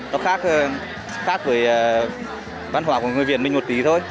nó khác với văn hóa của người việt mình một tí thôi